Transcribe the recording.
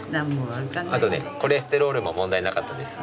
あとねコレステロールも問題なかったです。